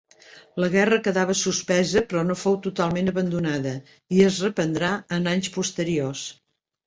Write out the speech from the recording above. La guerra quedava suspesa però no fou totalment abandonada i es reprendrà en anys posteriors.